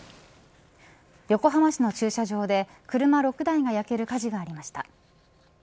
横浜市の駐車場で車６台が焼ける火事がありました。